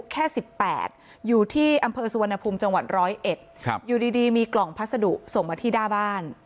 แค่สิบแปดอยู่ที่อำเภอสุวรรณภูมิจังหวัดร้อยเอ็ดครับอยู่ดีดีมีกล่องพัสดุส่งมาที่ด้าบ้าน